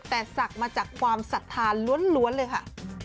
แต่ศักดิ์มาจากความศรัทธาล้วนเลยค่ะ